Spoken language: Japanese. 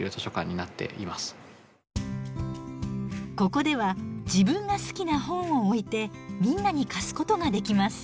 ここでは自分が好きな本を置いてみんなに貸すことができます。